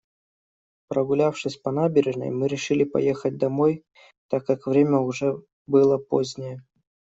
Прогулявшись по набережной, мы решили поехать домой, так как время уже было позднее.